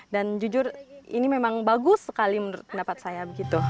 dan jujur ini memang bagus sekali menurut pendapat saya